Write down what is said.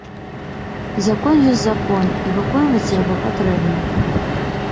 Закон ёсць закон, і выконваць яго патрэбна.